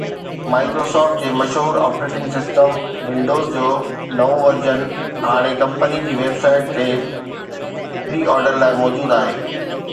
Microsoft جي مشهور operating system Windows جو نئون ورزن هاڻي ڪمپني جي ويب سائيٽ تي پري آرڊر لاءِ موجود آهي